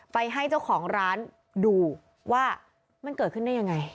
ไปให้เจ้าของร้านดูว่ามันเกิดขึ้นได้ยังไง